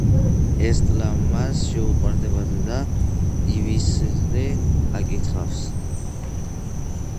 ესტელა მას შეუყვარდება და ივისაზე აკითხავს.